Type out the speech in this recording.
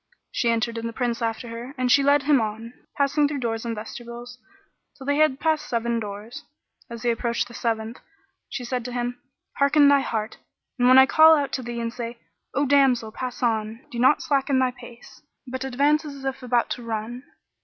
She entered and the Prince after her, and she led him on, passing through doors and vestibules, till they had passed seven doors.[FN#45] As they approached the seventh, she said to him, "Hearten thy heart and when I call out to thee and say, 'O damsel pass on!' do not slacken thy pace, but advance as if about to run.